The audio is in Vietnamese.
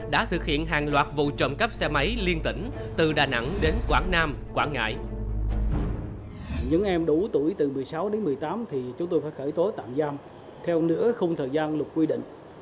đã thực hiện hàng loạt vụ trộm cắp xe máy liên tỉnh từ đà nẵng đến quảng nam quảng ngãi